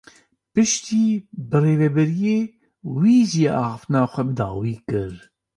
Piştî birêveberiyê wî jî axaftina xwe bi dawî kir.